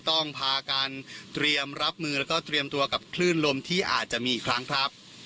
ต้องพาการเตรียมรับมือแล้วก็เตรียมตัวกับคลื่นลมที่อาจจะมีอีกครั้งครับ